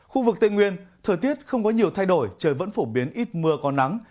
khu vực tây nguyên thời tiết không có nhiều thay đổi trời vẫn phổ biến ít mưa có nắng